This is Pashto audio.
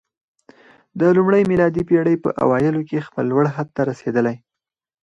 د لومړۍ میلادي پېړۍ په اوایلو کې خپل لوړ حد ته رسېدلی